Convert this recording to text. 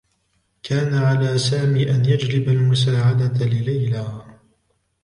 كان على سامي أن يجلب المساعدة لليلي.